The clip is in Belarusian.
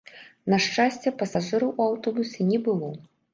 На шчасце, пасажыраў у аўтобусе не было.